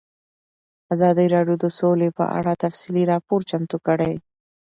ازادي راډیو د سوله په اړه تفصیلي راپور چمتو کړی.